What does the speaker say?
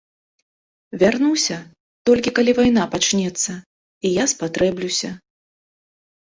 Вярнуся, толькі калі вайна пачнецца, і я спатрэблюся.